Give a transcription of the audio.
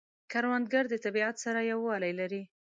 کروندګر د طبیعت سره یووالی لري